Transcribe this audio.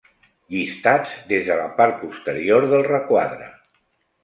Llistats des de la part posterior del requadre.